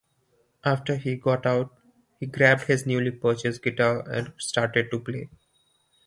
After he got out, he grabbed his newly purchased guitar and started to play.